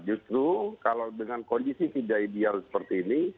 justru kalau dengan kondisi tidak ideal seperti ini